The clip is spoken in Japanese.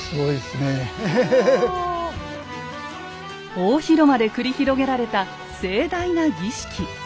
大広間で繰り広げられた盛大な儀式。